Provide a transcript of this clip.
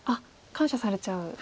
感謝されちゃう。